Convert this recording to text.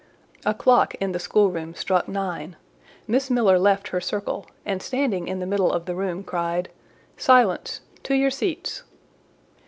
A clock in the schoolroom struck nine; Miss Miller left her circle, and standing in the middle of the room, cried— "Silence! To your seats!"